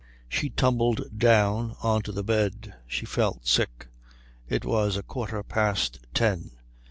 She tumbled down on to the bed. She felt sick. It was a quarter past ten.